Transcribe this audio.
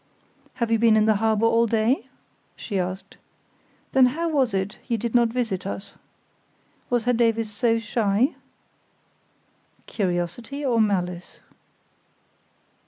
"Have you been in the harbour all day?" she asked, "then how was it you did not visit us? Was Herr Davies so shy?" (Curiosity or malice?)